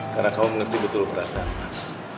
karena kamu mengerti betul perasaan mas